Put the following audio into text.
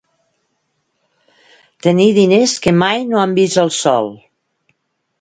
Tenir diners que mai no han vist el sol.